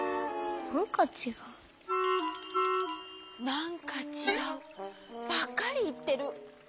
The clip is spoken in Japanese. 「なんかちがう」ばっかりいってる。